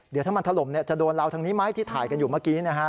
เดี๋ยวถ้ามันถล่มจะโดนเราทางนี้ไหมที่ถ่ายกันอยู่เมื่อกี้นะฮะ